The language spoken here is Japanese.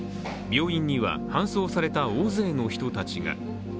病院には搬送された大勢の人たちが。